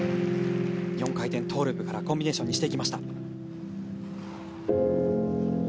４回転トウループからコンビネーションにしていきました。